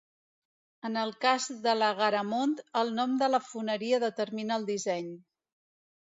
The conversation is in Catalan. En el cas de la Garamond el nom de la foneria determina el disseny.